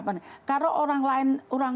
kalau orang lain